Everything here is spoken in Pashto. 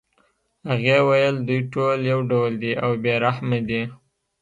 هغې ویل دوی ټول یو ډول دي او بې رحمه دي